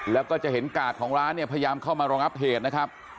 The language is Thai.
แล้วก็จะเห็นกาดของร้านเนี่ยพยายามเข้ามารองับเหตุนะครับ